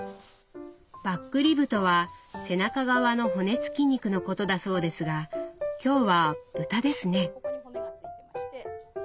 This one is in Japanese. バックリブとは背中側の骨付き肉のことだそうですが今日は豚ですね。